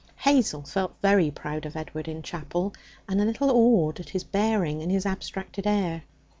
Hazel felt very proud of Edward in chapel, and a little awed at his bearing and his abstracted air.